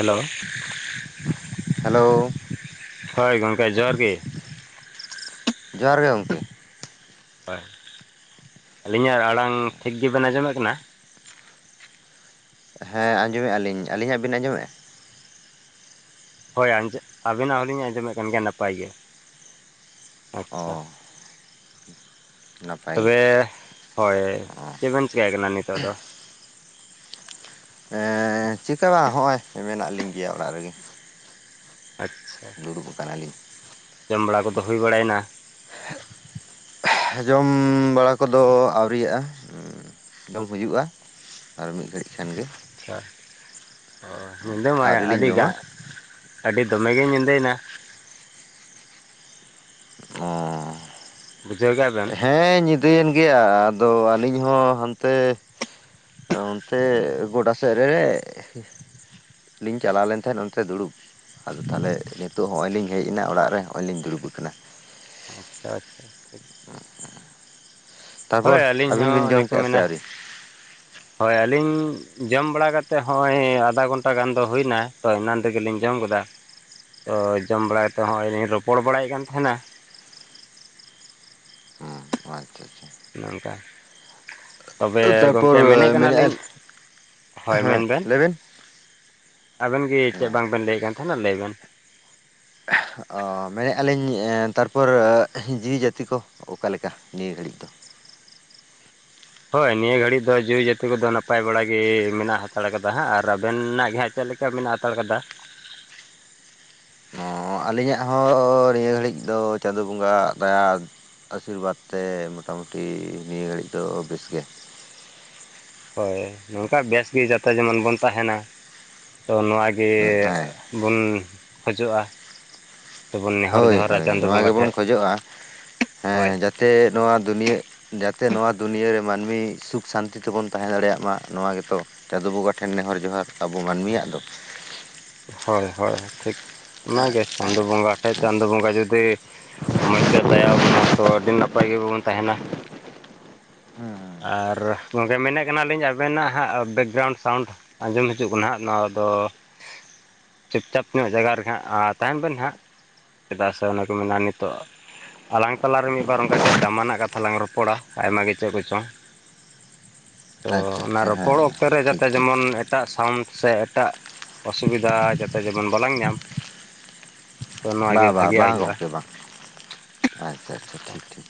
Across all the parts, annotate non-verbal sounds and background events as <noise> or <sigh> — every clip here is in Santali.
ᱦᱮᱞᱳ ᱾ ᱦᱮᱞᱳ ᱾ ᱦᱳᱭ ᱜᱚᱢᱠᱮ ᱡᱚᱦᱟᱨ ᱜᱮ ᱾ ᱡᱚᱦᱟᱨ ᱜᱮ ᱜᱚᱢᱠᱮ ᱾ ᱦᱳᱭ ᱟᱹᱞᱤᱧᱟᱜ ᱟᱲᱟᱝ ᱴᱷᱤᱠ ᱜᱮᱵᱱ ᱟᱸᱡᱚᱢᱮᱫ ᱠᱟᱱᱟ? ᱦᱮᱸ ᱟᱸᱡᱚᱢᱮᱫᱼᱟ ᱞᱤᱧ ᱟᱹᱞᱤᱧᱟᱜ ᱵᱤᱱ ᱟᱸᱡᱚᱢᱮᱫᱼᱟ? ᱦᱳᱭ ᱟᱸᱡᱚ, ᱟᱵᱤᱱᱟᱜ ᱦᱚᱸᱞᱤᱧ ᱟᱸᱡᱚᱢᱮᱫ ᱠᱟᱱ ᱜᱮᱭᱟ ᱱᱟᱯᱟᱭ ᱜᱮ᱾ ᱟᱪᱪᱷᱟ ᱚᱻ ᱛᱚᱵᱮ ᱦᱳᱭ, ᱪᱮᱫᱵᱮᱱ ᱪᱮᱠᱟᱭ ᱠᱟᱱᱟ ᱱᱤᱛᱚᱜ ᱫᱚ? ᱮᱸ ᱪᱤᱠᱟᱹ ᱵᱟᱝ ᱦᱚᱸᱜᱼᱚᱭ ᱢᱮᱱᱟᱜ ᱞᱤᱧ ᱜᱮᱭᱟ ᱚᱲᱟᱜ ᱨᱮᱜᱮ᱾ ᱟᱪᱪᱷᱟ, ᱫᱩᱲᱩᱵ ᱟᱠᱟᱱᱟᱞᱤᱧ ᱡᱚᱢ ᱵᱟᱲᱟ ᱠᱚᱫᱚ ᱦᱩᱭ ᱵᱟᱲᱟᱭᱮᱱᱟ? ᱦᱮᱸ ᱡᱚᱢ ᱵᱟᱲᱟ ᱠᱚᱫᱚ ᱟᱹᱣᱨᱤᱭᱟᱜᱼᱟ, ᱩᱸ ᱡᱚᱢ ᱦᱩᱭᱩᱼᱟ ᱟᱨ ᱢᱤᱫ ᱜᱷᱟᱹᱲᱤᱡ ᱠᱷᱟᱱ ᱜᱮ᱾ ᱟᱪᱪᱷᱟ ᱚ ᱧᱤᱫᱟᱹ ᱢᱟᱭ ᱟᱹᱣᱨᱤ ᱞᱤᱧ ᱟᱹᱰᱤ ᱜᱟ ᱡᱚᱢᱟ ᱟᱹᱰᱤ ᱫᱚᱢᱮᱜᱮ ᱧᱤᱫᱟᱹ ᱭᱮᱱᱟ᱾ ᱚᱻ ᱵᱩᱡᱷᱟᱹᱣ ᱜᱮᱜ-ᱟ ᱵᱮᱱ? ᱦᱮᱸ ᱧᱤᱫᱟᱹᱭᱮᱱ ᱜᱮᱭᱟ ᱟᱫᱚ ᱟᱹᱞᱤᱧ ᱦᱚᱸ ᱦᱟᱱᱛᱮ ᱚᱱᱛᱮ ᱜᱚᱰᱟ ᱥᱮᱫ ᱨᱮ ᱞᱤᱧ ᱪᱟᱞᱟᱣ ᱞᱮᱱ ᱛᱟᱦᱮᱸᱫ ᱚᱱᱛᱮ ᱫᱩᱲᱩᱵᱽ। ᱟᱫᱚ ᱛᱟᱦᱞᱮ, ᱱᱤᱛᱚᱜ ᱦᱚᱸᱜᱼᱚᱭ ᱞᱤᱧ ᱦᱮᱡ ᱮᱱᱟ ᱚᱲᱟᱜ ᱨᱮ᱾ ᱦᱚᱸᱜᱼᱚᱭ ᱞᱤᱧ ᱫᱩᱲᱩᱵ ᱟᱠᱟᱱᱟ। ᱟᱪᱪᱷᱟ ᱟᱪᱪᱷᱟ ᱴᱷᱤᱠ। ᱦᱳᱭ ᱛᱟᱨᱯᱚᱨ ᱟᱹᱞᱤᱧ ᱟᱹᱵᱤᱱ ᱦᱚᱸ ᱵᱤᱱ ᱚᱱᱮ ᱡᱚᱢ ᱠᱚ ᱠᱮᱫᱼᱟ ᱥᱮ ᱢᱮᱱᱟ ᱟᱹᱣᱨᱤ ᱦᱳᱭ ᱟᱹᱞᱤᱧ ᱡᱚᱢ ᱵᱟᱲᱟ ᱠᱟᱛᱮ ᱦᱚᱸᱜᱼᱚᱭ ᱟᱫᱷᱟ ᱜᱷᱚᱱᱴᱟ ᱜᱟᱱ ᱫᱚ ᱦᱩᱭᱱᱟ᱾ ᱛᱚ ᱮᱱᱟᱱ ᱨᱮᱜᱮᱞᱤᱧ ᱡᱚᱢ ᱠᱮᱫᱟ। ᱛᱚ ᱡᱚᱢ ᱵᱟᱲᱟ ᱠᱟᱛᱮ ᱦᱚᱸᱜᱼᱚᱭ ᱞᱤᱧ ᱨᱚᱯᱚᱲ ᱵᱟᱲᱟᱭᱮᱫ ᱠᱟᱱ ᱛᱟᱦᱮᱱᱟ। ᱦᱩᱸ ᱟᱪᱪᱷᱟ ᱟᱪᱪᱷᱟ। ᱚᱱᱮ ᱚᱱᱠᱟ᱾ ᱛᱚᱵᱮ ᱛᱟᱨᱯᱚᱨ ᱜᱚᱝᱠᱮ ᱢᱮᱱᱮᱫ ᱢᱮᱱᱮᱫᱼᱟ ᱠᱟᱱᱟᱞᱤᱧ, ᱦᱳᱭ ᱢᱮᱱ ᱦᱮᱸ ᱵᱮᱱ। ᱞᱟᱹᱭ ᱟᱵᱮᱱ ᱜᱮ ᱪᱮᱫ ᱵᱟᱝ ᱵᱮᱱ ᱞᱟᱹᱭᱮᱫ ᱠᱟᱱ ᱛᱟᱦᱮᱱᱟ, ᱞᱟᱹᱭ ᱵᱮᱱ। ᱚ ᱢᱮᱱᱮᱜᱼᱟ ᱞᱤᱧ, ᱛᱟᱨᱯᱚᱨ ᱡᱤᱣᱤ ᱡᱟᱹᱛᱤ ᱠᱚ ᱚᱠᱟ ᱞᱮᱠᱟ ᱱᱤᱭᱟᱹ ᱜᱷᱟᱹᱲᱤᱡ ᱫᱚ? ᱦᱳᱭ ᱱᱤᱭᱟᱹ ᱜᱷᱟᱹᱲᱤᱡ ᱫᱚ ᱡᱤᱣᱤ ᱡᱟᱹᱛᱤ ᱠᱚᱫᱚ ᱱᱟᱯᱟᱭ ᱵᱟᱲᱟ ᱜᱮ ᱢᱮᱱᱟᱜ ᱦᱟᱛᱟᱲ ᱠᱟᱫᱟ ᱦᱟᱸᱜ ᱟᱨ ᱟᱵᱮᱱᱟᱜ ᱜᱮ ᱦᱟᱸᱜ ᱪᱮᱫ ᱞᱮᱠᱟ ᱢᱮᱱᱟᱜ ᱦᱟᱛᱟᱲ ᱠᱟᱫᱟ? ᱚᱸ ᱟᱹᱞᱤᱧᱟᱜ ᱦᱚᱸ ᱱᱤᱭᱟᱹ ᱜᱷᱟᱹᱲᱤᱡ ᱫᱚ ᱪᱟᱸᱫ ᱵᱚᱸᱜᱟᱣᱟᱜ ᱫᱟᱭᱟ ᱟᱥᱤᱨᱵᱟᱫᱽ ᱛᱮ ᱢᱚᱴᱟᱢᱩᱴᱤ ᱱᱤᱭᱟᱹ ᱜᱷᱟᱹᱲᱤᱡ ᱫᱚ ᱵᱮᱥ ᱜᱮ। ᱦᱳᱭ, ᱱᱚᱝᱠᱟ ᱵᱮᱥᱜᱮ ᱡᱟᱛᱮ ᱡᱮᱢᱚᱱ ᱵᱚᱱ ᱛᱟᱦᱮᱱᱟ, ᱛᱚ ᱱᱚᱣᱟ ᱜᱮ ᱦᱮᱸ ᱵᱚᱱ ᱠᱷᱚᱡᱚᱜᱼᱟ। ᱥᱮᱵᱚᱱ ᱱᱮᱦᱚᱨ ᱦᱳᱭ ᱡᱚᱦᱟᱨᱟ ᱦᱳᱭ ᱪᱟᱸᱫᱳ ᱱᱚᱣᱟ ᱵᱚᱸᱜᱟ ᱜᱮᱵᱚᱱ ᱴᱷᱮᱡ ᱠᱷᱚᱡᱚᱜᱼᱟ, ᱦᱳᱭ ᱦᱮᱸ ᱡᱟᱛᱮ ᱱᱚᱣᱟ ᱫᱩᱱᱤᱭᱟᱹ ᱡᱟᱛᱮ ᱱᱚᱣᱟ ᱫᱩᱱᱭᱟᱹ ᱨᱮ ᱢᱟᱹᱱᱢᱤ ᱥᱩᱠᱷ ᱥᱟᱱᱛᱤ ᱛᱮᱵᱚᱱ ᱛᱟᱦᱮᱸ ᱫᱟᱲᱮᱭᱟᱜ ᱢᱟ ᱱᱚᱣᱟ ᱜᱮᱛᱚ᱾ ᱪᱟᱸᱫᱚ ᱵᱚᱸᱜᱟ ᱴᱷᱮᱱ ᱱᱮᱦᱚᱨ ᱡᱚᱸᱦᱟᱨ ᱟᱵᱚ ᱢᱟᱹᱱᱢᱤᱭᱟᱜ ᱫᱚ। ᱦᱳᱭ ᱦᱳᱭ ᱴᱷᱤᱠ, ᱚᱱᱟᱜᱮ ᱪᱟᱸᱫᱚ ᱵᱚᱸᱜᱟ ᱴᱷᱮᱡ, ᱪᱟᱸᱫᱚ ᱵᱚᱸᱜᱟ ᱡᱩᱫᱤ ᱢᱚᱡᱽ ᱛᱮ ᱫᱟᱭᱟ ᱟᱵᱚᱱᱟ ᱛᱚ ᱟᱹᱰᱤ ᱱᱟᱯᱟᱭ ᱜᱮᱵᱚᱱ ᱛᱟᱦᱮᱱᱟ। ᱟᱨ ᱜᱚᱝᱠᱮ ᱢᱮᱱᱮᱫ ᱠᱟᱱᱟᱞᱤᱧ, ᱟᱵᱮᱱᱟᱜ ᱦᱟᱸᱜ ᱵᱮᱠᱜᱨᱟᱣᱩᱱᱰ ᱥᱟᱣᱩᱱᱰ ᱟᱸᱡᱚᱢ ᱦᱤᱡᱩᱜ ᱠᱟᱱᱟ ᱦᱟᱸᱜ, ᱱᱚᱣᱟ ᱫᱚ ᱪᱩᱯᱪᱟᱯ ᱧᱚᱜ ᱡᱟᱭᱜᱨᱨ ᱦᱟᱸᱜ ᱟ ᱛᱟᱦᱮᱱ ᱵᱮᱱ ᱦᱟᱸᱜ। ᱥᱮᱫᱟᱭ ᱥᱮ ᱚᱱᱮᱠᱚ ᱢᱮᱱᱟ ᱱᱤᱛᱚᱜ ᱟᱞᱟᱝ ᱛᱟᱞᱟᱨᱮ ᱢᱤᱫ ᱵᱟᱨ ᱚᱱᱠᱟ ᱜᱮ ᱫᱟᱢᱟᱱᱟᱜ ᱠᱟᱛᱷᱟ ᱞᱟᱝ ᱨᱚᱯᱚᱲᱟ᱾ ᱟᱭᱢᱟ ᱜᱮ ᱪᱮᱫ ᱠᱚ ᱪᱚᱝ, ᱛᱚ ᱟᱪᱪᱷᱟ ᱚᱱᱟ ᱟᱪᱪᱷᱟ ᱨᱚᱯᱚᱲ ᱦᱮᱸ ᱚᱠᱛᱚ ᱨᱮ ᱴᱷᱤᱠ ᱡᱟᱛᱮ ᱴᱷᱤᱠ ᱡᱮᱢᱚᱱ ᱮ ᱴᱟᱜ ᱥᱟᱣᱩᱱᱰ ᱥᱮ ᱮᱴᱟᱜ ᱚᱥᱩᱵᱤᱫᱷᱟ ᱡᱟᱛᱮ ᱡᱮᱢᱚᱱ ᱵᱟᱞᱟᱝ ᱧᱟᱢ। ᱛᱚ ᱱᱚᱣᱟ ᱵᱟ ᱜᱮ ᱵᱟ ᱵᱷᱟᱜᱮᱭᱟᱜ ᱵᱟᱝ ᱦᱩᱭᱩᱜᱼᱟ ᱜᱚᱝᱠᱮ ᱵᱟᱝ᱾ ᱟᱪᱪᱷᱟ ᱟᱪᱪᱷᱟ ᱴᱷᱤᱠ ᱴᱷᱤᱠ।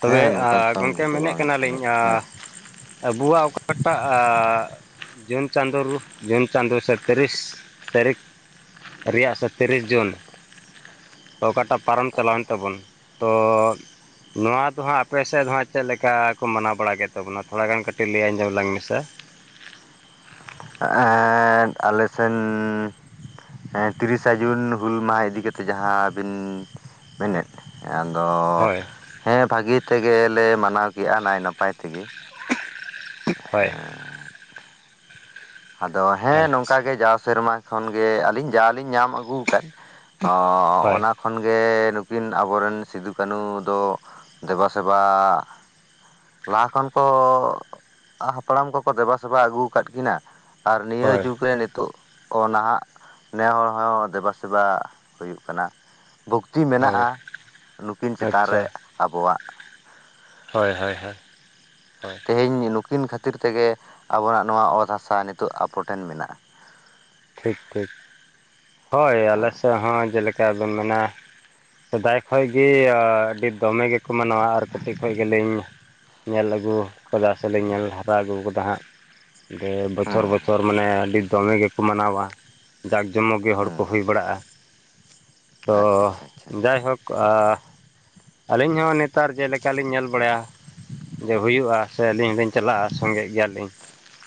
ᱛᱚᱵᱮ ᱦᱮᱸ ᱟ ᱱᱚᱝᱠᱟᱱ ᱥᱟᱣᱩᱱᱰ ᱜᱚᱝᱠᱮ ᱠᱚᱫᱚ ᱢᱮᱱᱮᱫ ᱵᱟᱝ ᱠᱟᱱᱟᱞᱤᱧ ᱟᱸᱡᱚᱢ ᱟ ᱦᱮᱸ ᱟᱵᱚᱣᱟᱜ ᱚᱠᱟ ᱚᱠᱴᱟᱜ ᱟ ᱡᱩᱱ ᱪᱟᱸᱫᱳ ᱨᱩ ᱡᱩᱱ ᱪᱟᱸᱫᱳ ᱥᱮ ᱛᱤᱨᱤᱥ ᱛᱟᱹᱨᱤᱠᱷ ᱨᱮᱭᱟᱜ ᱥᱮ ᱛᱤᱨᱤᱥ ᱡᱩᱱ ᱛᱚ ᱚᱠᱟᱴᱟᱜ ᱯᱟᱨᱚᱢ ᱪᱟᱞᱟᱣᱮᱱ ᱛᱟᱵᱚᱱ, ᱛᱚ ᱱᱚᱣᱟ ᱫᱚ ᱦᱟᱸᱜ ᱟᱯᱮᱥᱮᱫ ᱫᱚ ᱦᱟᱸᱜ ᱪᱮᱫ ᱞᱮᱠᱟ ᱠᱚ ᱢᱟᱱᱟᱣ ᱵᱟᱲᱟ ᱜᱮ ᱛᱟᱵᱚᱱᱟ ᱛᱷᱚᱲᱟ ᱜᱟᱱ ᱠᱟᱹᱴᱤᱡ ᱞᱟᱹᱭ ᱟᱸᱡᱚᱢ ᱞᱟᱝ ᱢᱮᱥᱮ? ᱮᱫ ᱟᱞᱮ ᱥᱮᱱ ᱮᱸ ᱛᱤᱨᱤᱥᱟ ᱡᱩᱱ ᱦᱩᱞ ᱢᱟᱦᱟ ᱤᱫᱤ ᱠᱟᱛᱮ ᱡᱟᱦᱟᱸ ᱵᱤᱱ ᱢᱮᱱᱮᱫ ᱟᱫᱚ ᱦᱳᱭ ᱦᱮᱸ ᱵᱷᱟᱹᱜᱮ ᱛᱮᱜᱮ ᱞᱮ ᱢᱟᱱᱟᱣ ᱠᱮᱜᱼᱟ ᱱᱟᱭᱼᱱᱟᱯᱟᱭ ᱛᱮᱜᱮ᱾ ᱦᱳᱭ। ᱟᱫᱚ ᱦᱮᱸ ᱱᱚᱝᱠᱟ ᱟᱪᱪᱷᱟ ᱜᱮ ᱡᱟᱣ ᱥᱮᱨᱢᱟ ᱠᱷᱚᱱ ᱜᱮ, ᱟᱹᱞᱤᱧ ᱡᱟ ᱞᱤᱧ ᱧᱟᱢ ᱟᱹᱜᱩ ᱟᱠᱟᱫ। ᱚ ᱦᱳᱭ ᱚᱱᱟ ᱠᱷᱚᱱ ᱜᱮ ᱱᱩᱠᱤᱱ ᱟᱵᱚᱨᱮᱱ ᱥᱤᱫᱩ ᱠᱟᱹᱱᱩ ᱫᱚ ᱫᱮᱵᱟ ᱥᱮᱵᱟ ᱞᱟᱦᱟ ᱠᱷᱚᱱ ᱠᱚ ᱦᱟᱯᱲᱟᱢ ᱠᱚᱠᱚ ᱫᱮᱵᱟ ᱥᱮᱵᱟ ᱟᱹᱜᱩ ᱟᱠᱟᱫ ᱠᱤᱱᱟ᱾ ᱟᱨ ᱱᱤᱭᱟᱹ ᱦᱳᱭ ᱡᱩᱜᱽ ᱨᱮ ᱱᱤᱛᱚᱜ ᱚ ᱱᱟᱦᱟᱜ ᱱᱮ ᱦᱚᱲ ᱦᱚᱸ ᱫᱮᱵᱟ ᱥᱮᱵᱟ ᱦᱩᱭᱩᱜ ᱠᱟᱱᱟ᱾ ᱵᱷᱚᱠᱛᱤ ᱦᱳᱭ ᱢᱮᱱᱟᱜᱼᱟ, ᱱᱩᱠᱤᱱ ᱪᱮᱛᱟᱱ ᱨᱮ ᱟᱵᱚᱣᱟᱜ᱾ ᱦᱚᱭ ᱦᱳᱭ ᱦᱳᱭ᱾ ᱦᱳᱭ᱾ ᱛᱮᱦᱮᱧ ᱱᱩᱠᱤᱱ ᱠᱷᱟᱹᱛᱤᱨ ᱛᱮᱜᱮ, ᱟᱵᱚᱱᱟᱜ ᱱᱚᱣᱟ ᱚᱛ ᱦᱟᱥᱟ ᱱᱤᱛᱚᱜ ᱟᱯᱚᱴᱷᱮᱱ ᱢᱮᱱᱟᱜ-ᱟ। ᱴᱷᱤᱠ ᱴᱷᱤᱠ᱾ ᱦᱚᱭ ᱟᱞᱮ ᱥᱮᱫ ᱦᱚᱸ ᱡᱮᱞᱮᱠᱟ ᱟᱫᱚᱢ ᱢᱮᱱᱟ ᱥᱮᱫᱟᱭ ᱠᱷᱚᱡ ᱜᱮ ᱟᱹᱰᱤ ᱫᱚᱢᱮ ᱜᱮᱠᱚ ᱢᱟᱱᱟᱣᱟ, ᱟᱨ ᱠᱟᱹᱴᱤᱡ ᱠᱷᱚᱡ ᱜᱮᱞᱤᱧ ᱧᱮᱞ ᱟᱹᱜᱩ ᱟᱠᱟᱫᱟ ᱥᱮᱞᱤᱧ ᱧᱮᱞ ᱦᱟᱨᱟ ᱟᱹᱜᱩ ᱟᱠᱟᱫᱟ ᱦᱟᱸᱜ᱾ ᱡᱮ ᱵᱚᱪᱷᱚᱨ ᱦᱩᱸ ᱵᱚᱪᱷᱚᱨ ᱢᱟᱱᱮ ᱟᱹᱰᱤ ᱫᱚᱢᱮ ᱜᱮᱠᱚ ᱢᱟᱱᱟᱣᱟ᱾ ᱡᱟᱠ ᱡᱚᱢᱚᱠ ᱜᱮ ᱦᱚᱲ ᱠᱚ ᱦᱩᱸ ᱦᱩᱭ ᱵᱟᱲᱟᱜᱼᱟ᱾ ᱛᱚ ᱟᱪᱪᱷᱟ ᱟᱪᱪᱷᱟ ᱟᱪᱪᱷᱟ ᱡᱟᱭᱦᱳᱠ᱾ ᱠᱚ-ᱟ᱾ ᱟᱞᱤᱧ ᱦᱚᱸ ᱱᱮᱛᱟᱨ ᱡᱮᱞᱮᱠᱟ ᱞᱤᱧ ᱧᱮᱞ ᱵᱟᱲᱟᱭᱟ ᱡᱮ ᱦᱩᱭᱩᱜ-ᱟ ᱥᱮ ᱟᱹᱞᱤᱧ ᱦᱚᱞᱤᱧ ᱪᱟᱞᱟᱜ-ᱟ ᱥᱚᱝᱜᱮ ᱜᱮᱭᱟ ᱞᱤᱧ᱾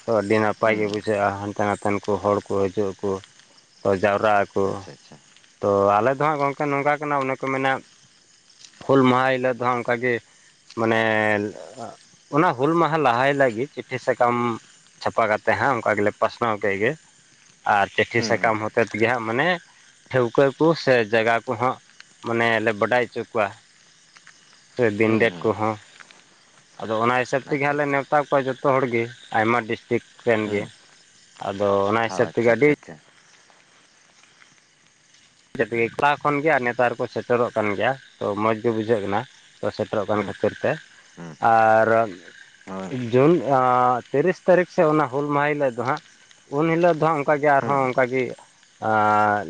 ᱛᱚ ᱟᱹᱰᱤ ᱱᱟᱯᱟᱭ ᱜᱮ ᱦᱩᱸ ᱵᱩᱡᱷᱟᱹᱜᱼᱟ ᱦᱟᱱᱛᱮ ᱱᱟᱛᱮᱱ ᱠᱚ ᱦᱚᱲ ᱠᱚ ᱦᱤᱡᱩᱜᱼᱟ ᱠᱚ, ᱛᱚ ᱡᱟᱣᱨᱟ ᱟ ᱠᱚ᱾ ᱟᱪᱪᱷᱟ ᱟᱪᱪᱷᱟ ᱛᱚ ᱟᱞᱮ ᱫᱚ ᱦᱟᱸᱜ ᱜᱚᱢᱠᱮ ᱱᱚᱝᱠᱟ ᱠᱟᱱᱟ ᱚᱱᱮ ᱠᱚ ᱢᱮᱱᱟ ᱦᱩᱞ ᱢᱟᱦᱟ ᱦᱤᱞᱳᱜ ᱫᱚ ᱦᱟᱸᱜ ᱚᱱᱠᱟᱟᱜ ᱜᱮ ᱢᱟᱱᱮ ᱚᱱᱟ ᱦᱩᱞ ᱢᱟᱦᱟ ᱞᱟᱦᱟᱭ ᱞᱟᱹᱜᱤᱫ ᱪᱤᱴᱷᱤ ᱥᱟᱠᱟᱢ ᱪᱷᱟᱯᱟ ᱠᱟᱛᱮ ᱦᱟᱸ ᱚᱝᱠᱟ ᱜᱮᱞᱮ ᱯᱟᱥᱱᱟᱣ ᱠᱮᱫ ᱜᱮ᱾ ᱟᱨ ᱪᱤᱴᱷᱤ ᱦᱩᱸ ᱥᱟᱠᱟᱢ ᱦᱚᱛᱮᱛᱮ ᱜᱮ ᱦᱟᱸᱜ ᱢᱟᱱᱮ ᱴᱷᱟᱹᱣᱠᱟᱹ ᱠᱚ ᱥᱮ ᱡᱟᱜᱟ ᱠᱚ ᱦᱚᱸᱜ ᱢᱟᱱᱮ ᱞᱮ ᱵᱟᱲᱟᱭ ᱚᱪᱚ ᱠᱚᱣᱟ᱾ ᱥᱮ ᱫᱤᱱ ᱦᱩᱸ ᱰᱮᱴ ᱦᱩᱸ ᱠᱚ ᱦᱚᱸ ᱟᱫᱚ ᱚᱱᱟ ᱦᱩᱸ ᱥᱟᱹᱯᱛᱮ ᱜᱮ ᱟᱪᱪᱷᱟ ᱦᱟᱸᱜ ᱞᱮ ᱟᱪᱪᱷᱟ ᱱᱮᱣᱛᱟ ᱠᱚᱣᱟ ᱡᱚᱛᱚ ᱦᱚᱲ ᱜᱮ᱾ ᱟᱭᱢᱟ ᱰᱤᱥᱴᱨᱤᱠ ᱨᱮᱱ ᱜᱮ ᱟᱫᱚ ᱚᱱᱟ ᱦᱤᱥᱟᱹᱵᱽ ᱛᱮᱜᱮ ᱟᱪᱶᱷᱟ ᱟᱹᱰᱤ ᱪᱷᱟ ᱪᱷᱟ᱾ <unintelligible> ᱞᱟᱦᱟ ᱠᱷᱚᱱ ᱜᱮ ᱟᱨ ᱱᱮᱛᱟᱨ ᱠᱚ ᱥᱮᱴᱮᱨᱚᱜ ᱠᱟᱱ ᱜᱮᱭᱟ᱾ ᱛᱚ ᱢᱚᱡᱽ ᱜᱮ ᱵᱩᱡᱷᱟᱹ ᱠᱟᱱᱟ᱾ ᱛᱚ ᱥᱮᱴᱮᱨᱚᱜ ᱠᱟᱱ ᱦᱩᱸ ᱠᱷᱟᱹᱛᱤᱨ ᱛᱮ ᱦᱩᱸ ᱟᱨ ᱦᱳᱭ ᱡᱩᱱ ᱛᱤᱨᱤᱥ ᱛᱟᱹᱨᱤᱠᱷ ᱥᱮᱫ ᱚᱱᱟ ᱦᱩᱞ ᱢᱟᱦᱟ ᱦᱤᱞᱳᱜ ᱫᱚ ᱦᱟᱸᱜ ᱩᱱ ᱦᱤᱞᱟᱹᱜ ᱫᱚ ᱚᱱᱠᱟᱜᱮ ᱦᱩᱸ ᱟᱨᱦᱚᱸ ᱚᱱᱠᱟᱜᱮ ᱟ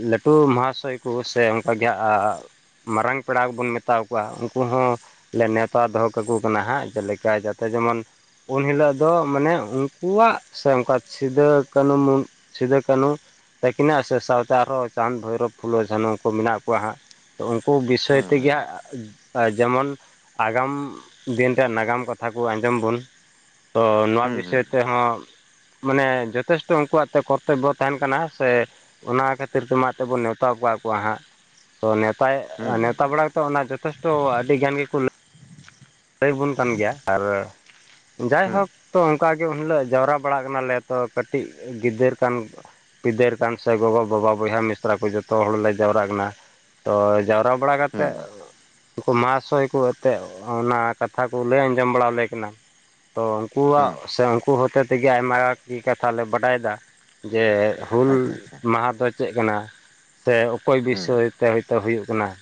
ᱞᱟᱹᱴᱩ ᱢᱟᱦᱟ ᱥᱟᱹᱭ ᱠᱚ ᱥᱮ ᱚᱱᱠᱟ ᱜᱮ ᱟ ᱢᱟᱨᱟᱝ ᱯᱮᱲᱟ ᱠᱚ ᱵᱚᱱ ᱢᱮᱛᱟᱟᱣ ᱠᱚᱣᱟ ᱩᱱᱠᱩ ᱦᱚᱸ ᱞᱮ ᱱᱮᱣᱛᱟ ᱫᱚᱦᱚ ᱠᱟᱠᱚ ᱠᱟᱱᱟ ᱦᱟᱸᱜ ᱡᱮᱞᱮᱠᱟ ᱡᱟᱛᱮ ᱡᱮᱢᱚᱱ ᱩᱱ ᱦᱤᱞᱳᱜ ᱫᱚ ᱢᱟᱱᱮ ᱩᱱᱠᱩᱣᱟᱜ ᱥᱮ ᱚᱱᱠᱟ ᱥᱤᱫᱩ ᱠᱟᱱᱦᱩ ᱢᱩᱱ ᱥᱤᱫᱩᱼᱠᱟᱱᱩ ᱛᱟᱹᱠᱤᱱᱟᱜ ᱥᱮ ᱥᱟᱶᱛᱮ ᱟᱨᱦᱚᱸ ᱪᱟᱸᱫ ᱵᱷᱳᱭᱨᱚᱵ ᱯᱷᱩᱞᱳ ᱡᱷᱟᱱᱚ ᱠᱚ ᱢᱮᱱᱟᱜ ᱠᱚᱣᱟ ᱦᱟᱸᱜ᱾ ᱛᱚ ᱩᱱᱠᱩ ᱵᱤᱥᱚᱭ ᱦᱩᱸ ᱦᱩᱸ ᱛᱮᱜᱮ ᱦᱟᱸᱜ ᱡᱮᱢᱚᱱ ᱟᱜᱟᱢ ᱫᱤᱱ ᱨᱮ ᱱᱟᱜᱟᱢ ᱠᱟᱛᱷᱟ ᱠᱚ ᱟᱸᱡᱚᱢ ᱵᱚᱱ᱾ ᱛᱚ ᱱᱚᱣᱟ ᱦᱩᱸ ᱵᱤᱥᱚᱭ ᱛᱮᱦᱚᱸ ᱢᱟᱱᱮ ᱡᱚᱛᱷᱮᱥᱴᱚ ᱩᱱᱠᱩᱣᱟᱜ ᱛᱮ ᱠᱚᱨᱛᱚᱵᱽᱵᱚ ᱦᱚ ᱛᱟᱦᱮᱱ ᱠᱟᱱᱟ ᱥᱮ ᱚᱱᱟ ᱠᱷᱟᱹᱛᱤᱨ ᱛᱮ ᱢᱟ ᱮᱛᱮ ᱵᱚᱱ ᱱᱮᱣ ᱛᱟᱣ ᱠᱚᱣᱟ ᱦᱟᱸᱜ᱾ ᱛᱚ ᱱᱶᱛᱟᱭᱮᱫ ᱦᱩᱸ ᱦᱩᱸ ᱦᱩᱸ ᱱᱮᱣᱛᱟ ᱵᱟᱲᱟ ᱠᱟᱛᱮ ᱚᱱᱟ ᱡᱚᱛᱷᱮᱥᱴᱚ ᱟᱹᱰᱤ ᱜᱟᱱ ᱜᱮᱠᱚ ᱞᱟᱹ ᱞᱟᱹᱭᱵᱚᱱ ᱠᱟᱱ ᱜᱮᱭᱟ ᱟᱨ ᱦᱩᱸ ᱡᱟᱭᱦᱳᱠ ᱛᱚ ᱚᱝᱠᱟᱜᱮ ᱩᱱᱦᱤᱞᱳᱜ ᱡᱟᱣᱨᱟ ᱵᱟᱲᱟᱜ ᱠᱟᱱᱟᱞᱮ ᱛᱚ ᱠᱟᱹᱴᱤᱡ ᱜᱤᱫᱟᱹᱨ ᱠᱟᱱ ᱯᱤᱫᱟᱹᱨ ᱠᱟᱱ ᱥᱮ ᱜᱚᱜᱚ, ᱵᱟᱵᱟ, ᱵᱚᱭᱦᱟ, ᱢᱤᱥᱛᱨᱟ ᱠᱚ ᱡᱚᱛᱚ ᱦᱚᱲᱞᱮ ᱡᱟᱣᱨᱨᱟ ᱠᱟᱱᱟ᱾ ᱛᱚ ᱡᱟᱣᱨᱟ ᱡᱟᱣᱨᱟ ᱵᱟᱲᱟ ᱠᱟᱛᱮᱜ, ᱦᱩᱸ ᱩᱝᱠᱩ ᱢᱟᱦᱟᱥᱚᱭ ᱠᱚ ᱟᱛᱮᱜ ᱚᱱᱟ ᱠᱟᱛᱷᱟ ᱠᱚ ᱞᱟᱹᱭ ᱟᱸᱡᱚᱢ ᱵᱟᱲᱟ ᱟᱞᱮ ᱠᱟᱱᱟ᱾ ᱛᱚ ᱦᱩᱸ ᱩᱝᱠᱩᱣᱟᱜ ᱦᱩᱸ ᱥᱮ ᱩᱝᱠᱩ ᱦᱚᱛᱮ ᱛᱮᱜᱮ ᱟᱭᱢᱟᱤ ᱠᱟᱛᱷᱟ ᱞᱮ ᱵᱟᱰᱟᱭᱫᱟ ᱡᱮ ᱦᱩᱞ ᱟᱪᱪᱷᱟ ᱟᱪᱪᱷᱟ ᱢᱟᱦᱟ ᱫᱚ ᱪᱮᱫ ᱠᱟᱱᱟ ᱥᱮ ᱚᱠᱚᱭ ᱦᱩᱸ ᱵᱤᱥᱟᱹᱭ ᱛᱮ ᱦᱚᱭᱛᱳ ᱦᱩᱭᱩᱜ ᱠᱟᱱᱟ᱾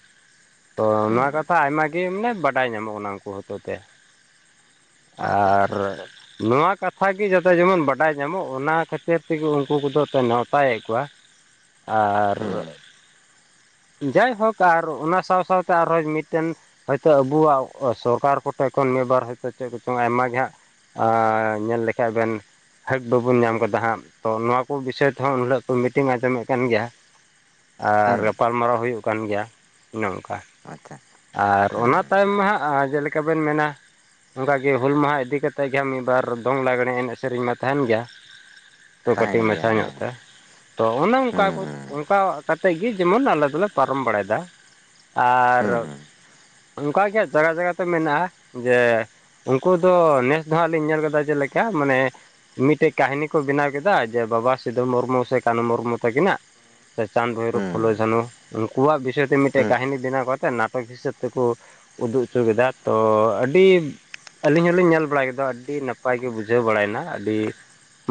ᱛᱚ, ᱦᱩᱸ ᱱᱚᱣᱟ ᱠᱟᱛᱷᱟ ᱟᱭᱢᱟ ᱜᱮ ᱢᱟᱱᱮ ᱵᱟᱰᱟᱭ ᱧᱟᱢᱚᱜ ᱠᱟᱱᱟ᱾ ᱚᱱᱟ ᱩᱱᱠᱩ ᱦᱚᱛᱮᱛᱮ ᱟᱪᱪᱷᱟ ᱟᱨ ᱟᱪᱪᱷᱟ ᱟᱪᱪᱷᱟ ᱱᱚᱣᱟ ᱠᱟᱛᱷ ᱠᱟᱛᱷᱟ ᱜᱮ ᱡᱟᱛᱮ ᱡᱮᱢᱚᱱ ᱵᱟᱰᱟᱭ ᱧᱟᱢᱚᱜ ᱚᱱᱟ ᱠᱷᱟᱹᱛᱤᱨ ᱛᱮᱜᱮ ᱩᱱᱠᱩ ᱠᱚᱫᱚ ᱠᱚ ᱱᱮᱣᱛᱟᱭᱮᱫ ᱠᱚᱣᱟ᱾ ᱟᱨᱻ ᱦᱩᱸ ᱡᱟᱭᱦᱳᱠ ᱟᱨ ᱚᱱᱟ ᱥᱟᱶ ᱥᱟᱶᱛᱮ ᱟᱨᱦᱚᱸ ᱢᱤᱫᱴᱮᱱ ᱦᱚᱭᱛᱳ ᱟᱵᱩᱣᱟᱜ ᱥᱚᱨᱠᱟᱨ ᱠᱚᱴᱷᱮᱡ ᱠᱷᱚᱱ ᱱᱤᱭᱟᱹᱵᱟᱨ ᱦᱚᱭᱛᱳ ᱪᱮᱫ ᱠᱚᱪᱚᱝ ᱟᱭᱢᱟ ᱜᱮ ᱦᱟᱸᱜ ᱟᱸᱻ ᱧᱮᱞ ᱞᱮᱠᱷᱟᱡ ᱵᱮᱱ <unintelligible> ᱵᱟᱵᱚᱱ ᱧᱟᱢ ᱠᱟᱫᱟ ᱦᱟᱸᱜ᱾ ᱛᱚ ᱱᱚᱣᱟ ᱠᱚ ᱵᱤᱥᱚᱭ ᱛᱮᱦᱚᱸ ᱩᱱᱦᱤᱞᱳᱜ ᱠᱚ ᱢᱤᱴᱤᱝ ᱟᱸᱡᱚᱢᱮᱫ ᱠᱟᱱ ᱜᱮᱭᱟ᱾ ᱟᱨ ᱦᱩᱸ ᱜᱟᱯᱟᱞᱢᱟᱨᱟᱣ ᱦᱩᱭᱩᱜ ᱠᱟᱱ ᱜᱮᱭᱟ ᱚᱱᱮ ᱚᱝᱠᱟ᱾ ᱟᱪᱪᱷᱟ᱾ ᱟᱨ ᱚᱱᱟ ᱦᱩᱸ ᱛᱟᱭᱚᱢ ᱢᱟ ᱦᱟᱸᱜ ᱡᱮᱞᱮᱠᱟ ᱵᱮᱱ ᱢᱮᱱᱟ ᱚᱝᱠᱟ ᱜᱮ ᱦᱩᱞ ᱢᱟᱦᱟ ᱤᱫᱤ ᱠᱟ ᱠᱟᱛᱮᱫ ᱜᱮ ᱦᱟᱸᱜ ᱢᱤᱫ ᱵᱟᱨ ᱫᱚᱝ ᱞᱟᱜᱽᱬᱮ ᱮᱱᱮᱡ ᱥᱮᱨᱮᱧ ᱢᱟ ᱛᱟᱸᱦᱮᱱ ᱜᱮᱭᱟ᱾ <unintelligible> ᱛᱟᱦᱮᱱ ᱠᱟᱹᱴᱤᱡ ᱜᱮᱭᱟ ᱢᱟᱪᱷᱟ ᱧᱚᱜ ᱦᱮᱸ ᱛᱮ᱾ ᱛᱚ, ᱚᱱᱮ ᱚᱝᱠᱟ ᱦᱩᱸ ᱠᱚ, ᱦᱩᱸ ᱚᱝᱠᱟ ᱠᱟᱛᱮ ᱜᱮ ᱡᱮᱢᱚᱱ ᱟᱞᱮ ᱫᱚᱞᱮ ᱯᱟᱨᱚᱢ ᱵᱟᱲᱟᱭᱫᱟ᱾ ᱟᱨ ᱦᱩᱸ ᱚᱝᱠᱟᱜᱮ ᱦᱟᱸᱜ ᱡᱟᱭᱜᱟ ᱡᱟᱭᱜᱟ ᱛᱮ ᱢᱮᱱᱟᱜ-ᱟ ᱡᱮ, ᱩᱝᱠᱩ ᱫᱚ ᱱᱮᱥ ᱫᱚ ᱦᱟᱸᱜ ᱞᱤᱧ ᱧᱮᱞ ᱠᱮᱫᱟ ᱡᱮᱞᱮᱠᱟ ᱢᱟᱱᱮ ᱢᱤᱫᱴᱮᱡ ᱠᱟᱦᱱᱤ ᱠᱚ ᱵᱮᱱᱟᱣ ᱠᱮᱫᱟ ᱡᱮ ᱵᱟᱵᱟ ᱥᱤᱫᱷᱩ ᱢᱩᱨᱢᱩ ᱥᱮ ᱠᱟᱹᱱᱦᱩ ᱢᱩᱨᱢᱩ ᱛᱟᱹᱠᱤᱱᱟᱜ᱾ ᱥᱮ ᱪᱟᱸᱫᱽ, ᱵᱷᱳᱭᱨᱳᱵᱽ, ᱦᱩᱸ ᱦᱩᱸ ᱯᱷᱩᱞᱳ, ᱡᱷᱟᱱᱩ, ᱩᱱᱠᱩᱣᱟᱜ ᱵᱤᱥᱚᱭ ᱛᱮ ᱢᱤᱫᱴᱮᱡ ᱦᱩᱸ ᱠᱟᱹᱦᱱᱤ ᱵᱮᱱᱟᱣ ᱠᱟ ᱠᱟᱛᱮᱫ ᱱᱟᱴᱚᱠ ᱦᱤᱥᱟᱹᱵᱽ ᱛᱮᱠᱚ ᱩᱫᱩᱜ ᱦᱚᱪᱚ ᱠᱮᱫᱟ᱾ ᱛᱚ, ᱟᱹᱰᱤ ᱟᱹᱞᱤᱧ ᱦᱚᱞᱤᱧ ᱧᱮᱞ ᱵᱟᱲᱟᱭ ᱠᱮᱫᱟ ᱟᱹᱰᱤ ᱱᱟᱯᱟᱭ ᱜᱮ ᱵᱩᱡᱷᱟᱹᱣ ᱵᱟᱲᱟᱭᱱᱟ ᱟᱹᱰᱤ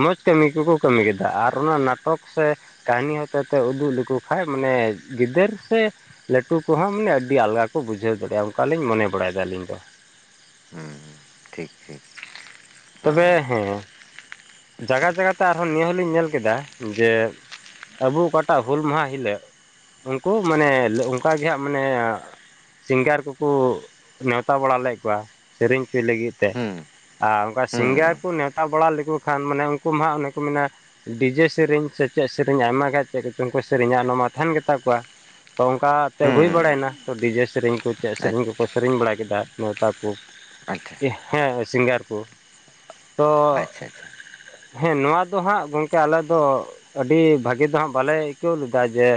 ᱢᱚᱡᱽ ᱠᱟᱹᱢᱤ ᱠᱚᱠᱚ ᱠᱟᱹᱢᱤ ᱠᱮᱫᱟ, ᱟᱨ ᱚᱱᱟ ᱱᱟᱴᱚᱠ ᱥᱮ ᱠᱟᱹᱦᱱᱤ ᱦᱚᱛᱮᱛᱮ ᱩᱫᱩᱜ ᱞᱮᱠᱚ ᱠᱷᱟᱡ, ᱢᱟᱱᱮ ᱜᱤᱫᱟᱹᱨ ᱥᱮ ᱞᱟᱹᱴᱩ ᱠᱚᱦᱚᱸ ᱢᱟᱱᱮ ᱟᱹᱰᱤ ᱟᱞᱜᱟ ᱠᱚ ᱵᱩᱡᱷᱟᱹᱣ ᱫᱟᱲᱮᱭᱟᱜ-ᱟ, ᱚᱱᱠᱟᱞᱤᱧ ᱢᱚᱱᱮ ᱵᱟᱲᱟᱭᱮᱫᱟ ᱟᱹᱞᱤᱧ ᱫᱚ᱾ ᱦᱩᱸ, ᱴᱷᱤᱠ ᱴᱷᱤᱠ᱾ ᱛᱚᱵᱮ ᱦᱮᱸ, ᱡᱟᱭᱜᱟ ᱡᱟᱭᱜᱟᱛᱮ ᱟᱨᱦᱚᱸ ᱱᱤᱭᱟᱹ ᱦᱚᱞᱤᱧ ᱧᱮᱞ ᱠᱮᱫᱟ ᱡᱮ ᱟᱵᱚ ᱚᱠᱟᱴᱟᱜ ᱦᱩᱞ ᱢᱟᱦᱟ ᱦᱤᱞᱳ ᱩᱱᱠᱩ ᱢᱟᱱᱮ ᱚᱱᱠᱟᱜ ᱜᱮ ᱦᱟᱸᱜ ᱢᱟᱱᱮ ᱥᱤᱝᱜᱟᱨ ᱠᱚᱠᱚ ᱱᱮᱣᱛᱟ ᱵᱟᱲᱟ ᱞᱮᱫ ᱠᱚᱣᱟ ᱥᱮᱨᱮᱧ ᱦᱪᱚᱭ ᱞᱟᱹᱜᱤᱫ ᱛᱮ, ᱦᱩᱸ ᱟᱨ ᱚᱱᱠᱟ ᱥᱤᱝᱜᱟᱸᱨ ᱦᱩᱸ ᱠᱚ ᱱᱮᱣᱛᱟ ᱵᱟᱲᱟ ᱞᱮᱠᱚ ᱠᱷᱟᱱ ᱢᱟᱱᱮ ᱩᱱᱠᱩ ᱢᱟ ᱦᱟᱸᱜ ᱚᱱᱮ ᱠᱚ ᱢᱮᱱᱟ ᱰᱤᱡᱮ ᱥᱮᱨᱮᱧ ᱥᱮᱪᱮᱫ ᱥᱮᱨᱮᱧ ᱟᱭᱢᱟᱜᱟᱱ ᱪᱮᱫ ᱠᱚᱪᱚᱝ ᱠᱚ ᱥᱮᱨᱮᱧᱟ ᱚᱱᱟ ᱢᱟ ᱛᱟᱸᱦᱮᱱ ᱜᱮᱛᱟ ᱠᱚᱣᱟ᱾ ᱛᱚ ᱚᱝᱠᱟᱛᱮ ᱦᱩᱸ ᱦᱩᱭ ᱦᱩᱸ ᱵᱟᱲᱟᱭᱱᱟ ᱛᱚ ᱰᱤᱡᱮ ᱥᱮᱨᱮᱧ ᱠᱚ ᱪᱮᱫ ᱟᱪ ᱥᱮᱨᱮᱧ ᱠᱚᱠᱚ ᱥᱮᱨᱮᱧ ᱵᱟᱲᱟ ᱠᱮᱫᱟ, ᱱᱮᱣᱛᱟ ᱠᱚ᱾ ᱟᱪᱪᱷᱟ ᱦᱮᱸ ᱥᱤᱝᱜᱟᱨ ᱠᱚ, ᱛᱚ ᱟᱪᱪᱷᱟ ᱟᱪᱪᱷᱟ ᱦᱮᱸ ᱱᱚᱣᱟ ᱫᱚ ᱦᱟᱸᱜ ᱜᱚᱝᱠᱮ ᱟᱞᱮ ᱫᱚ ᱟᱹᱰᱤ ᱵᱷᱟᱹᱜᱤ ᱫᱚ ᱦᱟᱸᱜ ᱵᱟᱞᱮ ᱟᱹᱭᱠᱟᱹᱣ ᱞᱮᱫᱟ ᱡᱮ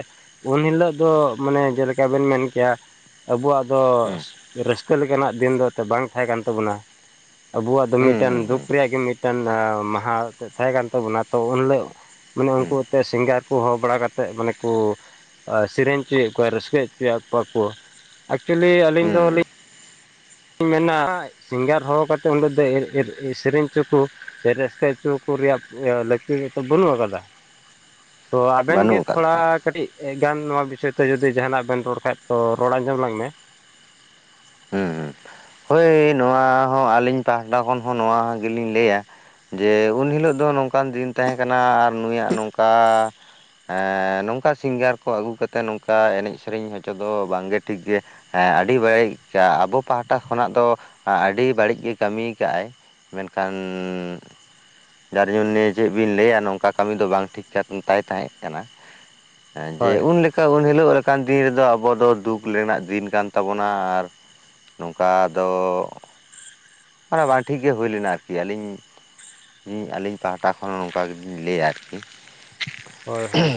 ᱩᱱ ᱦᱤᱞᱳᱜ ᱫᱚ ᱢᱟᱱᱮ ᱡᱮᱞᱮᱠᱟ ᱵᱮᱱ ᱢᱮᱱ ᱠᱮᱭᱟ ᱟᱵᱚᱣᱟᱜ ᱫᱚ ᱦᱩᱸ ᱨᱟᱹᱥᱠᱟᱹ ᱞᱮᱠᱟᱱᱟᱜ ᱫᱤᱱ ᱫᱚ ᱮᱱᱛᱮ ᱵᱟᱝ ᱛᱟᱦᱮᱸ ᱠᱟᱱ ᱛᱟᱵᱚᱱᱟ᱾ ᱟᱵᱚᱣᱟᱜ ᱫᱚ ᱢᱤᱫ ᱦᱩᱸ ᱢᱤᱫᱴᱮᱱ ᱦᱩᱸ ᱫᱩᱠ ᱦᱩᱸ ᱨᱮᱭᱟᱜ ᱜᱮ ᱢᱤᱫᱴᱮᱱ ᱢᱟᱦᱟ ᱛᱟᱦᱮᱸ ᱠᱟᱱ ᱛᱟᱵᱚᱱᱟ᱾ ᱛᱚ, ᱩᱱᱦᱤᱞᱳᱜ ᱢᱟᱱᱮ ᱦᱩᱸ ᱩᱝᱠᱩ ᱛᱚ, ᱥᱤᱝᱜᱟᱨ ᱠᱚ ᱦᱚᱦᱚ ᱵᱟᱲᱟ ᱠᱟᱛᱮᱫ ᱢᱟᱱᱮ ᱠᱚ ᱥᱮᱨᱮᱧ ᱦᱚᱪᱚᱭᱮᱫ ᱠᱚᱣᱟ, ᱨᱟᱹᱥᱠᱟᱹ ᱦᱚᱪᱚᱭᱮᱫ ᱠᱚᱣᱟ ᱠᱚ᱾ ᱮᱠᱪᱩᱞᱤ ᱟᱹᱞᱤᱧ ᱦᱩᱸ ᱫᱚᱞᱤᱧ ᱞᱤᱧ ᱢᱮᱱᱟ ᱥᱤᱝᱜᱟᱨ ᱦᱚᱦᱚ ᱠᱟᱛᱮᱫ ᱚᱸᱰᱮ ᱫᱚ ᱥᱮᱨᱮᱧ ᱦᱚᱪᱚ ᱠᱚ᱾ ᱥᱮ ᱨᱟᱹᱥᱠᱟᱹ ᱦᱚᱪᱚᱣᱟᱠᱚ ᱨᱮᱭᱟᱜ ᱞᱟᱹᱠᱛᱤ ᱫᱚᱛᱚ ᱵᱟᱹᱱᱩᱜ ᱟᱠᱟᱫᱟ᱾ ᱛᱚ ᱟᱵᱮᱱ ᱜᱮ ᱵᱟᱹᱱᱩᱜ ᱟᱠᱟᱫ ᱛᱷᱚᱲᱟ ᱛᱟᱦᱮᱸᱫ ᱠᱟᱹᱴᱤᱡ ᱮ ᱜᱟᱱ ᱱᱚᱣᱟ ᱵᱤᱥᱚᱭ ᱛᱮ ᱡᱩᱫᱤ ᱡᱟᱦᱟᱱᱟᱜ ᱵᱮᱱ ᱨᱚᱲ ᱠᱷᱟᱡ ᱛᱚ ᱨᱚᱲ ᱟᱸᱡᱚᱢ ᱞᱟᱝ ᱢᱮ ᱦᱮᱸ ᱦᱮᱸ ᱦᱚᱭ ᱱᱚᱣᱟ ᱦᱚᱸ ᱟᱹᱞᱤᱧ ᱯᱟᱦᱴᱟ ᱠᱷᱚᱱ ᱦᱚᱸ ᱱᱚᱣᱟ ᱜᱮᱞᱤᱧ ᱞᱟᱹᱭᱟ ᱡᱮ ᱩᱱ ᱦᱤᱞᱳᱜ ᱫᱚ ᱱᱚᱝᱠᱟᱱ ᱫᱤᱱ ᱛᱟᱦᱮᱸᱠᱟᱱᱟ ᱟᱨ ᱱᱩᱭᱟᱜ ᱱᱚᱝᱠᱟ <unintelligible> ᱱᱚᱝᱠᱟ ᱥᱤᱝᱜᱟᱸᱨ ᱠᱚ ᱟᱹᱜᱩ ᱠᱟᱛᱮᱫ ᱱᱚᱝᱠᱟ ᱮᱱᱮᱡ ᱥᱮᱨᱮᱧ ᱦᱚᱪᱚ ᱫᱚ ᱵᱟᱝᱜᱮ ᱴᱷᱤᱠ ᱜᱮ ᱟᱰᱤ ᱵᱟᱲᱤᱡ ᱟᱹᱭᱠᱟᱹᱜ-ᱟ ᱟᱵᱚ ᱯᱟᱦᱴᱟ ᱠᱷᱚᱱᱟᱜ ᱫᱚ ᱟᱰᱤ ᱵᱟᱲᱤᱡ ᱜᱮᱭ ᱠᱟᱹᱢᱤ ᱠᱟᱜᱼᱟᱭ ᱢᱮᱱᱠᱷᱟᱱ ᱡᱟᱨ ᱡᱚᱱᱤᱭᱮ ᱪᱮᱫ ᱵᱤᱱ ᱞᱟᱹᱭᱟ ᱱᱚᱝᱠᱟ ᱠᱟᱢᱤ ᱫᱚ ᱵᱟᱝ ᱴᱷᱤᱠ ᱠᱟᱱ ᱛᱟᱭ ᱛᱟᱦᱮᱸ ᱠᱟᱱᱟ ᱡᱮ ᱦᱳᱭ ᱩᱱᱞᱮᱠᱟ ᱩᱱ ᱦᱤᱞᱳᱜ ᱞᱮᱠᱟᱱ ᱫᱤᱱ ᱨᱮᱫᱚ ᱟᱵᱚ ᱫᱚ ᱫᱩᱠ ᱨᱮᱱᱟᱜ ᱫᱤᱱ ᱠᱟᱱ ᱛᱟᱵᱚᱱᱟ ᱟᱨ ᱱᱚᱝᱠᱟ ᱫᱚ ᱚᱱᱟ ᱵᱟᱝ ᱴᱷᱤᱠ ᱜᱮ ᱦᱩᱭ ᱞᱮᱱᱟ ᱟᱨᱠᱤ ᱟᱞᱤᱧ ᱤᱧ ᱟᱞᱤᱧ ᱯᱟᱦᱟᱴᱟ ᱠᱷᱚᱱ ᱱᱚᱝᱠᱟ ᱜᱮᱞᱤᱧ ᱞᱟᱹᱭᱟ ᱟᱨᱠᱤ ᱦᱳᱭ ᱦᱳᱭ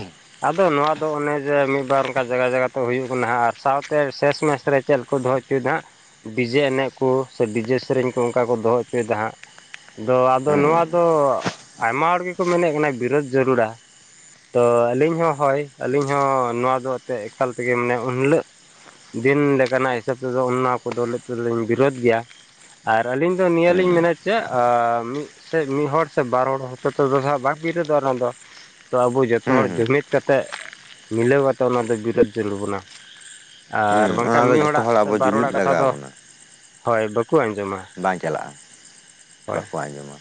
ᱟᱫᱚ ᱱᱚᱣᱟ ᱫᱚ ᱚᱱᱮ ᱡᱮ ᱢᱤᱫ ᱵᱟᱨ ᱚᱱᱠᱟ ᱡᱟᱜᱟ ᱡᱟᱜᱟ ᱛᱮ ᱦᱩᱭᱩᱜ ᱠᱟᱱᱟ ᱦᱟᱸᱜ ᱟᱨ ᱥᱟᱶᱛᱮ ᱥᱮᱥ ᱢᱮᱥ ᱨᱮ ᱠᱷᱮᱞ ᱠᱚ ᱫᱚᱦᱚ ᱦᱚᱪᱚᱭᱮᱫᱟ ᱦᱟᱸᱜ ᱰᱤᱡᱮ ᱮᱱᱮᱡ ᱠᱚ ᱥᱮ ᱰᱤᱡᱮ ᱥᱮᱨᱮᱧ ᱠᱚ ᱚᱱᱠᱟ ᱠᱚ ᱫᱚᱦᱚ ᱦᱚᱪᱚᱭᱮᱫᱟ ᱦᱟᱸᱜ ᱫᱚ ᱟᱫᱚ ᱦᱩᱸ ᱱᱚᱣᱟ ᱫᱚ ᱟᱭᱢᱟ ᱦᱚᱲ ᱜᱮᱠᱚ ᱢᱮᱱᱮᱫ ᱠᱟᱱᱟ ᱵᱤᱨᱳᱫ ᱡᱟᱹᱨᱩᱲᱟ ᱛᱚ ᱟᱹᱞᱤᱧ ᱦᱚᱸ ᱦᱳᱭ ᱟᱹᱞᱤᱧ ᱦᱚᱸ ᱱᱚᱣᱟ ᱫᱚ ᱮᱱᱛᱮᱫ ᱮᱠᱟᱞ ᱛᱮᱜᱮ ᱢᱟᱱᱮ ᱩᱱᱦᱤᱞᱳᱜ ᱫᱤᱱ ᱞᱮᱠᱟᱱᱟᱜ ᱦᱤᱥᱟᱹᱵ ᱛᱮᱫᱚ ᱚᱱᱟ ᱠᱚᱫᱚ ᱞᱮᱫ ᱛᱮᱫᱚᱧ ᱵᱤᱨᱳᱫ ᱜᱮᱭᱟ ᱟᱨ ᱟᱹᱞᱤᱧ ᱫᱚ ᱱᱤᱭᱟᱹ ᱦᱩᱸ ᱞᱤᱧ ᱦᱩᱸ ᱢᱮᱱᱮᱫ ᱪᱮᱫ ᱟᱨ ᱢᱤᱫ ᱥᱮ ᱢᱤᱫ ᱦᱚᱲ ᱥᱮ ᱵᱟᱨ ᱦᱚᱲ ᱦᱚᱛᱮ ᱛᱮᱫᱚ ᱦᱟᱸᱜ ᱵᱟᱝ ᱵᱤᱨᱳᱫᱚᱜ-ᱟ ᱱᱚᱣᱟ ᱫᱚ ᱛᱚ ᱟᱵᱚ ᱡᱚᱛᱚ ᱦᱚᱲ ᱦᱩᱸ ᱦᱩᱸ ᱡᱩᱢᱤᱫ ᱠᱟᱛᱮ ᱢᱤᱞᱟᱹᱣ ᱠᱟᱛᱮᱜ ᱚᱱᱟ ᱫᱚ ᱵᱤᱨᱤᱫ ᱡᱚᱨᱩᱲ ᱟᱵᱚᱱᱟ ᱦᱩᱸ ᱟᱨ ᱚᱱᱟ ᱵᱟᱝᱠᱷᱟᱱ ᱫᱚ ᱢᱤᱫ ᱡᱚᱛᱚ ᱦᱚᱲᱟᱜ ᱦᱚᱲ ᱥᱮ ᱟᱵᱚ ᱵᱟᱨ ᱡᱩᱢᱤᱫ ᱦᱚᱲᱟᱜ ᱠᱟᱛᱷᱟ ᱞᱟᱜᱟᱣ ᱫᱚ ᱵᱚᱱᱟ ᱦᱳᱭ ᱵᱟ ᱠᱚ ᱟᱸᱡᱚᱢᱟ, ᱵᱟᱝ ᱪᱟᱞᱟᱜᱼᱟ ᱦᱳᱭ᱾ ᱵᱟᱠᱚ ᱟᱸᱡᱚᱢᱟ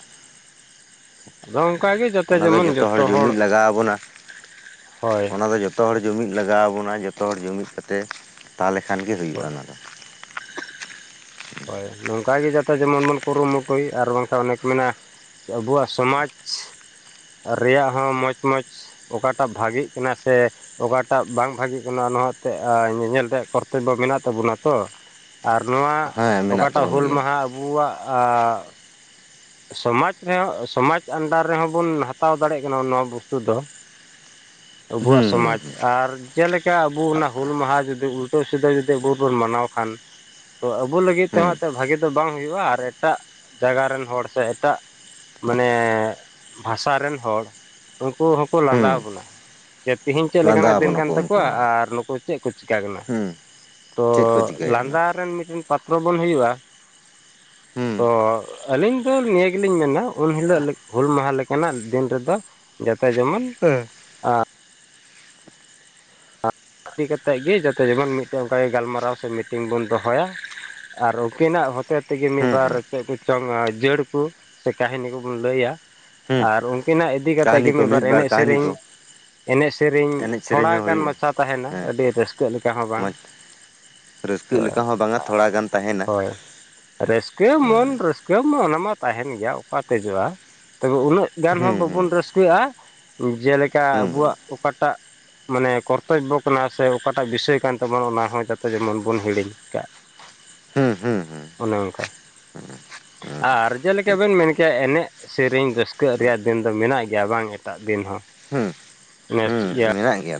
ᱟᱫᱚ ᱚᱱᱠᱟᱜᱮ ᱡᱟᱛᱮ ᱚᱱᱟ ᱫᱚ ᱡᱮᱢᱚᱱ ᱡᱚᱛᱚ ᱦᱚᱲ ᱡᱩᱢᱤᱫ ᱞᱟᱜᱟᱣ ᱟᱵᱚᱱᱟ ᱦᱳᱭ ᱚᱱᱟ ᱫᱚ ᱡᱚᱛᱚ ᱦᱚᱲ ᱡᱩᱢᱤᱫ ᱞᱟᱜᱟᱣ ᱵᱚᱱᱟ, ᱡᱚᱛᱚ ᱦᱚᱲ ᱡᱩᱢᱤᱫ ᱠᱟᱛᱮ ᱛᱟᱦᱚᱞᱮ ᱠᱷᱟᱱ ᱜᱮ ᱦᱩᱭᱩᱜᱼᱟ ᱚᱱᱟ ᱫᱚ᱾ ᱦᱳᱭ ᱱᱚᱝᱠᱟ ᱜᱮ ᱡᱟᱛᱮ ᱡᱮᱢᱚᱱ ᱵᱚᱱ ᱠᱩᱨᱩᱢᱩᱴᱩᱭ ᱟᱨ ᱵᱟᱝᱠᱷᱟᱱ ᱚᱱᱮ ᱠᱚ ᱢᱮᱱᱟ ᱟᱵᱩᱣᱟᱜ ᱥᱚᱢᱟᱡ ᱨᱮᱭᱟᱜ ᱦᱚᱸ ᱢᱚᱸᱪ ᱢᱚᱸᱪ ᱚᱠᱟᱴᱟᱜ ᱵᱷᱟᱜᱤᱜ ᱠᱟᱱᱟ ᱥᱮ ᱚᱠᱟᱴᱟᱜ ᱵᱟᱝ ᱵᱷᱟᱜᱤᱜ ᱠᱟᱱᱟ ᱱᱚᱣᱟ ᱮᱛᱮᱫ ᱧᱮᱧᱮᱞ ᱨᱮᱭᱟᱜ ᱠᱚᱨᱛᱚᱵᱵᱚ ᱢᱮᱱᱟᱜ ᱛᱟᱵᱚᱱᱟ ᱛᱚ, ᱟᱨ ᱱᱚᱣᱟ ᱦᱮᱸ ᱢᱮᱱᱟᱜ ᱚᱠᱟᱴᱟᱜ ᱛᱟᱵᱚᱱ ᱦᱩᱞ ᱜᱮᱭᱟ ᱢᱟᱦᱟ ᱟᱵᱩᱣᱟᱜ ᱥᱚᱢᱟᱡᱽ ᱨᱮᱦᱚᱸ ᱥᱚᱢᱟᱡᱽ ᱟᱱᱰᱟᱨ ᱨᱮᱦᱚᱸ ᱵᱚᱱ ᱦᱟᱛᱟᱣ ᱫᱟᱲᱮᱭᱟᱜ ᱠᱟᱱᱟ ᱱᱚᱣᱟ ᱵᱚᱥᱛᱩ ᱫᱚ᱾ <inaudible> ᱟᱵᱩᱣᱟᱜ ᱦᱩᱸ ᱥᱚᱢᱟᱡᱽ ᱟᱨ ᱡᱮᱞᱮᱠᱟ ᱟᱵᱚ ᱚᱱᱟ ᱦᱩᱞ ᱢᱟᱦᱟ ᱡᱩᱫᱤ ᱩᱞᱴᱟᱹ ᱥᱤᱫᱟᱹ ᱡᱚᱫᱤ ᱟᱵᱚᱵᱚᱱ ᱢᱟᱱᱟᱣ ᱠᱷᱟᱱ, ᱛᱚ ᱟᱵᱩ ᱞᱟᱹᱜᱤᱫ ᱦᱩᱸ ᱛᱮᱦᱚᱸ ᱛᱚ ᱵᱷᱟᱜᱤ ᱫᱚ ᱵᱟᱝ ᱦᱩᱭᱩᱜᱼᱟ ᱟᱨ ᱮᱴᱟᱜ ᱡᱟᱜᱟ ᱨᱮᱱ ᱦᱚᱲ ᱥᱮ ᱮᱴᱟᱜ ᱢᱟᱱᱮ ᱵᱷᱟᱥᱟ ᱨᱮᱱ ᱦᱚᱲ ᱩᱱᱠᱩ ᱦᱚᱸᱠᱚ ᱞᱟᱸᱫᱟᱣ ᱦᱩᱸ ᱵᱚᱱᱟ᱾ ᱡᱮ ᱛᱮᱦᱮᱧ ᱪᱮᱫ ᱞᱮᱠᱟᱱᱟᱜ ᱞᱟᱸᱫᱟ ᱫᱤᱱ ᱟᱵᱚᱱᱟ ᱠᱟᱱ ᱠᱚ ᱩᱱᱠᱩ ᱛᱟᱠᱚᱣᱟ ᱦᱚᱸ ᱟᱨ ᱱᱩᱠᱩ ᱪᱮᱫ ᱠᱚ ᱪᱤᱠᱟᱹ ᱠᱟᱱᱟ᱾ ᱦᱩᱸ ᱛᱚ ᱪᱮᱫ ᱠᱚ ᱪᱤᱠᱟᱹᱭ ᱠᱟᱱᱟ ᱞᱟᱸᱫᱟ ᱨᱮᱱ ᱢᱤᱫᱴᱮᱱ ᱯᱟᱛ ᱨᱚᱵᱚᱱ ᱦᱩᱭᱩᱜᱼᱟ᱾ ᱛᱚ ᱦᱩᱸ ᱟᱞᱤᱧ ᱟᱫᱚ ᱱᱤᱭᱟᱹ ᱜᱮᱞᱤᱧ ᱢᱮᱱᱟ ᱩᱱ ᱦᱤᱞᱳᱜ ᱦᱩᱞ ᱢᱟᱦᱟ ᱞᱮᱠᱟᱱᱟᱜ ᱫᱤᱱ ᱨᱮᱫᱚ ᱡᱟᱛᱮ ᱡᱮᱢᱚᱱ <unintelligible> ᱦᱩᱭ ᱠᱟᱛᱮᱫ ᱜᱮ ᱡᱟᱛᱮ ᱡᱮᱢᱚᱱ ᱢᱤᱫᱴᱮᱱ ᱚᱱᱠᱟᱜᱮ ᱜᱟᱞᱢᱟᱨᱟᱣ ᱥᱮ ᱢᱤᱴᱤᱝ ᱵᱚᱱ ᱫᱚᱦᱚᱭᱟ, ᱟᱨ ᱩᱱᱠᱤᱱᱟᱜ ᱦᱚᱛᱮ ᱛᱮᱜᱮ ᱦᱩᱸ ᱢᱤᱫᱵᱟᱨ ᱦᱩᱸ ᱪᱮᱫ ᱠᱚ ᱪᱚᱝ ᱡᱟᱹᱲ ᱠᱚ ᱥᱮ ᱠᱟᱹᱦᱤᱱᱤ ᱠᱚᱵᱚᱱ ᱞᱟᱹᱭᱟ ᱦᱩᱸ ᱟᱨ ᱩᱱᱠᱤᱱᱟᱜ ᱤᱫᱤ ᱠᱟᱛᱮ ᱠᱟᱹᱦᱱᱤ ᱜᱮ ᱠᱚ ᱢᱤᱫ ᱵᱟᱨ ᱮᱱᱮᱡ ᱠᱟᱹᱦᱱᱤ ᱥᱮᱨᱮᱧ ᱠᱚ ᱮᱱᱮᱡ ᱥᱮᱨᱮᱧ ᱮᱱᱮᱡ ᱥᱮᱨᱮᱧ ᱦᱚᱸ ᱛᱷᱚᱲᱟᱜᱟᱱ ᱢᱟ ᱦᱩᱭᱩᱜᱼᱟ ᱢᱟᱪᱟ ᱛᱟᱦᱮᱱᱟ ᱦᱮᱸ ᱟᱹᱰᱤ ᱨᱟᱹᱥᱠᱟᱹᱜ ᱞᱮᱠᱟ ᱦᱚᱸ ᱵᱟᱝ᱾ ᱢᱚᱡᱽ ᱛᱚ ᱨᱟᱹᱥᱠᱟᱹᱜ ᱞᱮᱠᱟ ᱦᱚᱸ ᱵᱟᱝᱟ ᱛᱷᱚᱲᱟ ᱜᱟᱱ ᱛᱟᱦᱮᱱᱟ ᱾ ᱦᱳᱭ ᱨᱟᱹᱥᱠᱟᱹ ᱢᱚᱱ ᱨᱟᱹᱥᱠᱟᱹ ᱢᱟ ᱚᱱᱟᱢᱟ ᱛᱟᱦᱮᱱ ᱜᱮᱭᱟ ᱚᱠᱟ ᱥᱮᱡᱚᱜ-ᱟ᱾ ᱛᱚᱵᱮ ᱩᱱᱟᱹᱜ ᱜᱟᱱ ᱦᱩᱸ ᱦᱚᱸ ᱦᱩᱸ ᱵᱟᱵᱚᱱ ᱨᱟᱹᱥᱠᱟᱹᱜ-ᱟ ᱡᱮᱞᱮᱠᱟ ᱦᱩᱸ ᱦᱩᱸ ᱟᱵᱚᱣᱟᱜ ᱚᱠᱟᱴᱟᱜ ᱢᱟᱱᱮ ᱠᱚ ᱠᱚᱨᱛᱚᱵᱚ ᱠᱟᱱᱟ ᱥᱮ ᱚᱠᱟᱴᱟᱜ ᱵᱤᱥᱚᱭ ᱠᱟᱱ ᱛᱟᱵᱚᱱᱟ ᱚᱱᱟ ᱦᱚᱸ ᱡᱚᱛᱚ ᱡᱮᱢᱚᱱ ᱵᱚᱱ ᱦᱤᱲᱤᱧ ᱠᱟᱜ᱾ ᱦᱩᱸ ᱦᱩᱸ ᱦᱩᱸ ᱚᱱᱮ ᱚᱱᱠᱟ, ᱟᱨ ᱡᱮᱞᱮᱠᱟ ᱴᱷᱤᱠ ᱵᱮᱱ ᱢᱮᱱ ᱠᱮᱜᱟ ᱮᱱᱮᱡ ᱥᱮᱨᱮᱧ ᱨᱟᱹᱥᱠᱟᱹᱜ ᱨᱮᱭᱟᱜ ᱫᱤᱱ ᱫᱚ ᱢᱮᱱᱟᱜ ᱜᱮᱭᱟ ᱵᱟᱝ ᱮᱴᱟᱜ ᱫᱤᱱ ᱦᱚᱸ᱾ ᱦᱩᱸ ᱦᱩᱸ <unintelligible> ᱤᱭᱟᱹ ᱢᱮᱱᱟᱜ ᱜᱮᱭᱟ